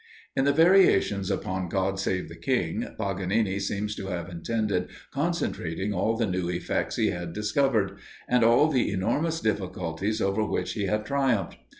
In the variations upon "God save the King," Paganini seems to have intended concentrating all the new effects he had discovered, and all the enormous difficulties over which he had triumphed.